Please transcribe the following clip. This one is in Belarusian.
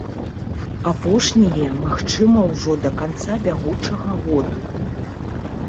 Апошняе магчыма ўжо да канца бягучага году.